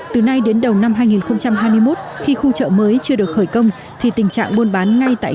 từ nay đến đầu năm hai nghìn hai mươi một khi khu chợ mới chưa được khởi công thì tình trạng buôn bán ngay tại